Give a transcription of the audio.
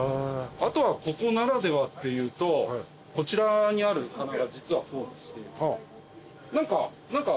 あとはここならではっていうとこちらにある棚が実はそうでして何か。